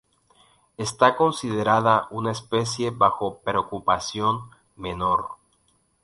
Esta considerada una especie bajo preocupación menor.